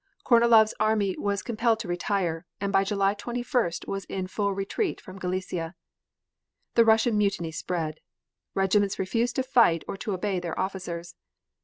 Kornilov's army was compelled to retire, and by July 21st was in full retreat from Galicia. The Russian mutiny spread. Regiments refused to fight or to obey their officers.